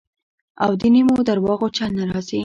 او د نیمو درواغو چل نه راځي.